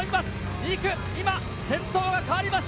２区、今、先頭が変わりました。